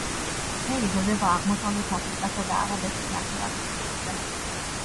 ხე იზრდება აღმოსავლეთ აფრიკასა და არაბეთის ნახევარკუნძულზე.